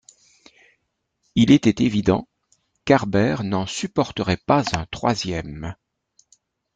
Il était évident qu’Harbert n’en supporterait pas un troisième.